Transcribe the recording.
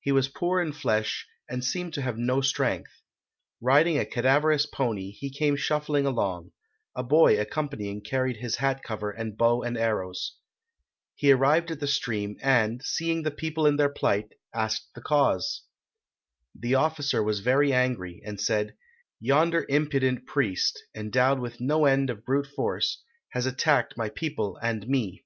He was poor in flesh and seemed to have no strength. Riding a cadaverous pony, he came shuffling along; a boy accompanying carried his hat cover and bow and arrows. He arrived at the stream, and, seeing the people in their plight, asked the cause. The officer was very angry, and said, 'Yonder impudent priest, endowed with no end of brute force, has attacked my people and me.'